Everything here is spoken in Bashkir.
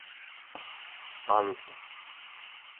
- Ант!